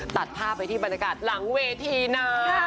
ตัดภาพไปที่บรรยากาศหลังเวทีนะ